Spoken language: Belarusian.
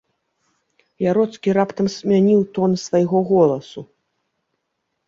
Яроцкі раптам змяніў тон свайго голасу.